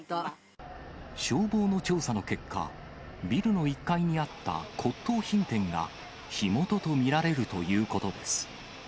消防の調査の結果、ビルの１階にあった骨とう品店が、火元と見られるということです。